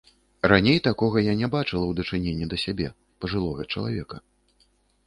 Раней такога я не бачыла ў дачыненні да сябе, пажылога чалавека.